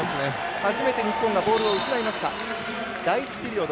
初めて日本がボールを失いました。